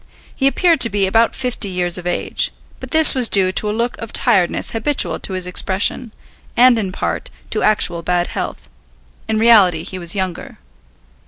He appeared to be about fifty years of age, but this was due to a look of tiredness habitual to his expression, and, in part, to actual bad health. In reality he was younger.